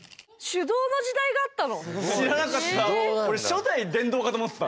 知らなかった。